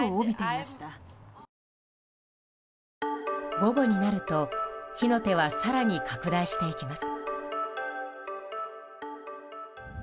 午後になると火の手は更に拡大していきます。